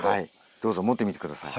どうぞ持ってみて下さい。